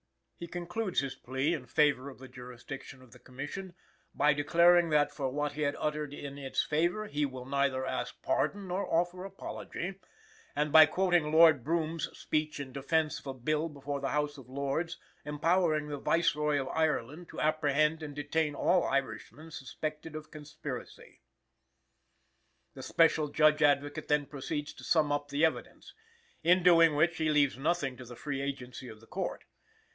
He concludes his plea in favor of the jurisdiction of the Commission, by declaring that for what he had uttered in its favor "he will neither ask pardon nor offer apology," and by quoting Lord Brougham's speech in defence of a bill before the House of Lords empowering the Viceroy of Ireland to apprehend and detain all Irishmen suspect of conspiracy. The Special Judge Advocate then proceeds to sum up the evidence, in doing which he leaves nothing to the free agency of the Court.